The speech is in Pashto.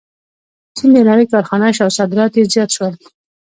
چین د نړۍ کارخانه شوه او صادرات یې زیات شول.